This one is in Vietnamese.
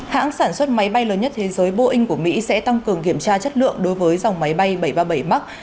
hãng sản xuất máy bay lớn nhất thế giới boeing của mỹ sẽ tăng cường kiểm tra chất lượng đối với dòng máy bay bảy trăm ba mươi bảy max